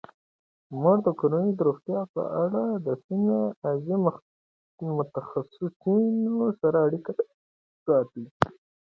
مور د کورنۍ د روغتیا په اړه د سیمه ایزو متخصصینو سره اړیکه ساتي.